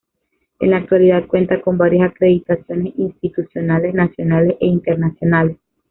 En la actualidad, cuenta con varias acreditaciones institucionales nacionales e internacionales.